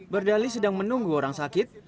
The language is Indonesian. berdali sedang menunggu orang sakit